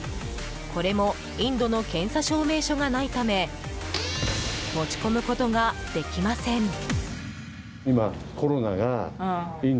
これもインドの検査証明書がないため持ち込むことができません。